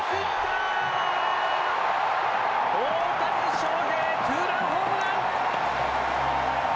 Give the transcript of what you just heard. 大谷翔平ツーランホームラン。